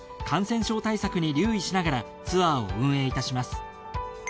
感染症対策に留意しながらツアーを運営いたします。